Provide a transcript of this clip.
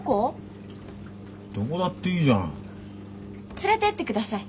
連れてってください。